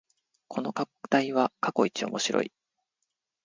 この課題は過去一面白い